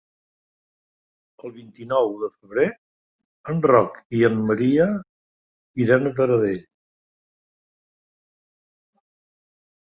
El vint-i-nou de febrer en Roc i en Maria iran a Taradell.